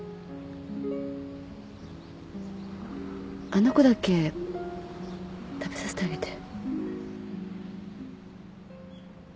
あの子だけ食べさせてあげて。